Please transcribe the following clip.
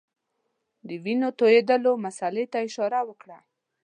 د وینو تویېدلو مسلې ته اشاره وکړه.